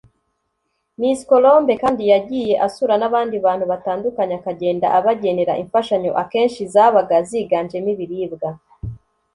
Miss Colombe kandi yagiye asura n’abandi bantu batandukanye akagenda abagenera imfashanyo akenshi zabaga ziganjemo ibiribwa